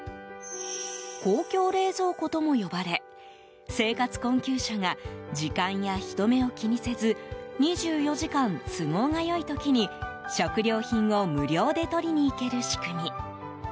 公共冷蔵庫とも呼ばれ生活困窮者が時間や人目を気にせず２４時間、都合が良い時に食料品を無料で取りに行ける仕組み。